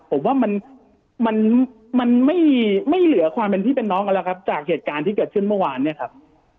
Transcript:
ผมว่ามันไม่เหลือความเป็นพี่เป็นน้องกันแล้วครับจากเหตุการณ์ที่เกิดขึ้นเมื่อวานเนี่ยครับ